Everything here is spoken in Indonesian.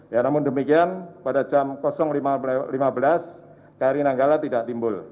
ya namun demikian pada jam lima belas kri nanggala tidak timbul